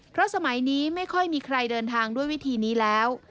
เพราะสมัยนี้ไม่ค่อยมีใครเดินทางด้วยวิธีนี้แล้ว